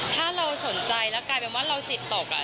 ถ้าเราสนใจแล้วกลายเป็นว่าเราจิตตก